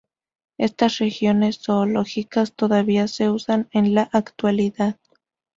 Estas regiones zoológicas todavía se usan en la actualidad.